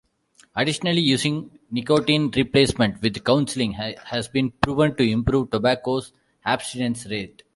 Additionally, using nicotine replacement with counseling has been proven to improve tobacco abstinence rates.